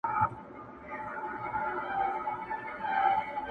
د لمر په وړانګو کي به نه وي د وګړو نصیب،